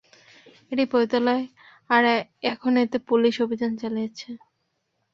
এটা পতিতালয় আর এখন এতে পুলিশ অভিযান চালিয়েছে।